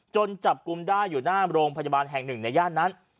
จนจับกลุ่มได้อยู่หน้าโรงพจบาลแห่ง๑ในย่านนั้น